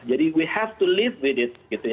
jadi kita harus hidup dengan itu